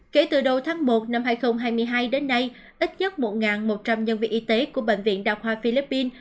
kể từ đầu tháng một năm hai nghìn hai mươi hai đến nay ít nhất một một trăm linh nhân viên y tế của bệnh viện đa khoa philippines